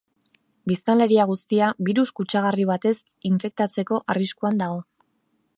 Biztanleria guztia birus kutsagarri batez infektatzeko arriskuan dago.